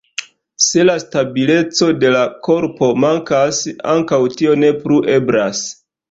Se la stabileco de la korpo mankas, ankaŭ tio ne plu eblas.